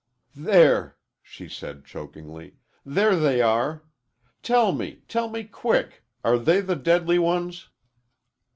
"There," she said chokingly; "there they are! Tell me tell me quick! Are they the deadly ones?"